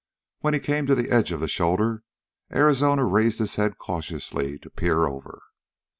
When he came to the edge of the shoulder, Arizona raised his head cautiously to peer over.